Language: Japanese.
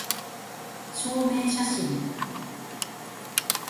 証明写真